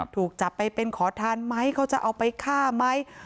ถูกจับไปเป็นขอทานไหมเขาจะเอาไปฆ่าไหม